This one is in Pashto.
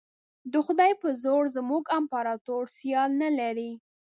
د خدای په زور زموږ امپراطور سیال نه لري.